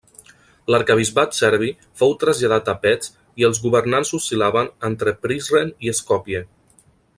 L'arquebisbat serbi fou traslladat a Pec i els governants oscil·laven entre Prizren i Skopje.